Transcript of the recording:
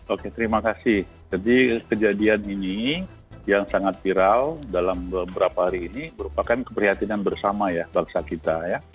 oke terima kasih jadi kejadian ini yang sangat viral dalam beberapa hari ini merupakan keprihatinan bersama ya bangsa kita ya